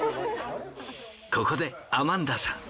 ここでアマンダさん